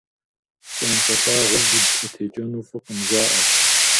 ПщӀантӀэ лъагъуэм удз къытекӀэну фӀыкъым, жаӀэрт.